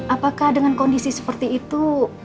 apakah dengan kondisi seperti itu